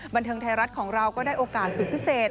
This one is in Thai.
บันเทิงไทยรัฐของเราก็ได้โอกาสสุดพิเศษ